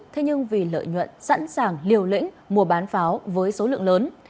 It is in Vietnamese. thế nhưng vì lợi nhuận sẵn sàng liều lĩnh mua bán pháo với số lượng lớn